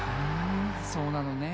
そうなのね。